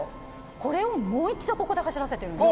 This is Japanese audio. これをもう一度ここで走らせてるんです。